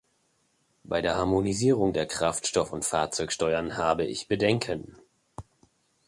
Bei der Harmonisierung der Kraftstoff- und Fahrzeugsteuern habe ich Bedenken.